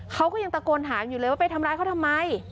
เขาก็ยังตะโกนถามอยู่เลยว่าไปทำร้ายเขาทำไม